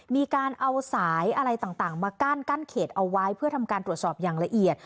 มีการเอาสายอะไรต่างมากั้นกั้นเขตเอาไว้เพื่อทำการตรวจสอบอย่างละเอียด